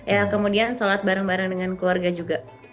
ya kemudian sholat bareng bareng dengan keluarga juga